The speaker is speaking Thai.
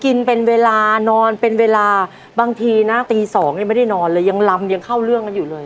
กินเป็นเวลานอนเป็นเวลาบางทีนะตีสองยังไม่ได้นอนเลยยังลำยังเข้าเรื่องกันอยู่เลย